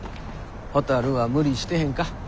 ほたるは無理してへんか？